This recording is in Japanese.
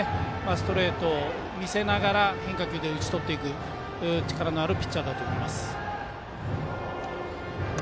ストレート見せながら変化球で打ちとっていく力のあるピッチャーだと思います。